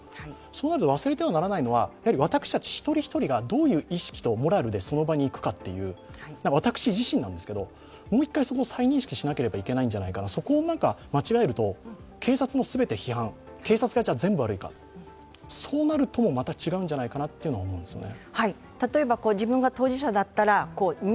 そうなると、忘れてはいけないのは私たち一人一人がどういう意識とモラルでその場に行くかという、私自身なんですけどもう一回そこを再認識しなきゃいけないんじゃないかそこを間違えると、警察も全て批判警察が全部悪いか、そうなると、また違うんじゃないかと思うんですよね。